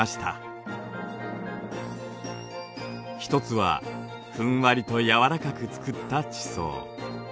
一つはふんわりと柔らかくつくった地層。